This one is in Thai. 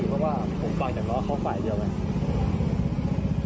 เพราะว่าผมฟังจากน้องเขาฝ่ายเดียวไง